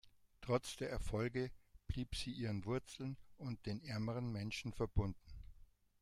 Trotz der Erfolge blieb sie ihren Wurzeln und den ärmeren Menschen verbunden.